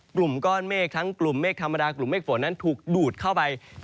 กลุ่มก้อนเมฆทั้งกลุ่มเมฆธรรมดากลุ่มเมฆฝนนั้นถูกดูดเข้าไป